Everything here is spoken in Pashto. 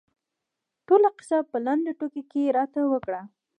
ټوله کیسه په لنډو کې راته وکړه.